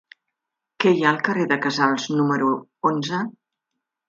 Què hi ha al carrer de Casals número onze?